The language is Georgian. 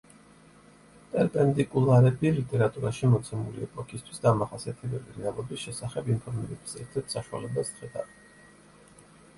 პერპენდიკულარები ლიტერატურაში მოცემული ეპოქისთვის დამახასიათებელი რეალობის შესახებ ინფორმირების ერთ-ერთ საშუალებას ხედავენ.